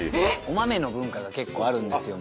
お豆の文化が結構あるんですよ